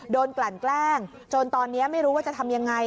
กลั่นแกล้งจนตอนนี้ไม่รู้ว่าจะทำยังไง